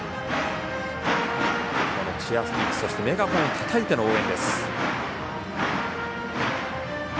チアスティックそしてメガホンをたたいての応援。